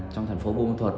trong thành phố buôn ma thuật